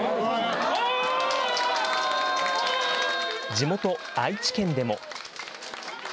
地元、愛知県でも。